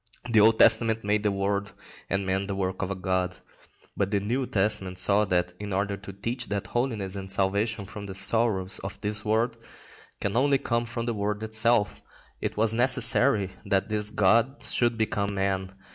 The Old Testament made the world and man the work of a god, but the New Testament saw that, in order to teach that holiness and salvation from the sorrows of this world can only come from the world itself, it was necessary that this god should become man.